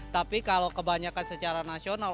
tapi kalau kebanyakan secara nasional